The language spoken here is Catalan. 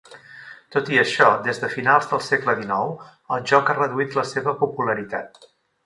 Tot i això, des de finals del segle XIX el joc ha reduït la seva popularitat.